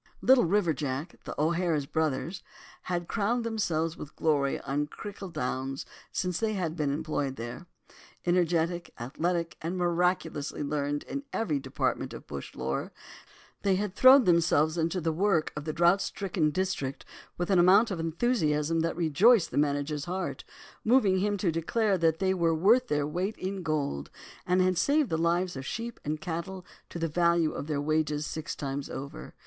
Little River Jack and the O'Hara brothers had crowned themselves with glory on Crichel Downs since they had been employed there. Energetic, athletic, and miraculously learned in every department of bush lore, they had thrown themselves into the work of the drought stricken district with an amount of enthusiasm that rejoiced the manager's heart, moving him to declare that they were worth their weight in gold, and had saved the lives of sheep and cattle to the value of their wages six times over.